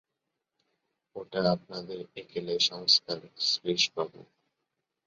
ওটা আপনাদের একেলে সংস্কার শ্রীশবাবু।